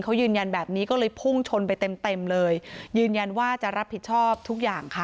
เขายืนยันแบบนี้ก็เลยพุ่งชนไปเต็มเต็มเลยยืนยันว่าจะรับผิดชอบทุกอย่างค่ะ